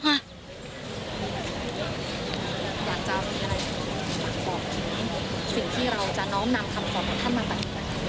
อยากจะขอบคุณสิ่งที่เราจะน้องนำคำขอบคุณท่านมากัน